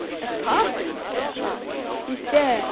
"A parson!" "You stare!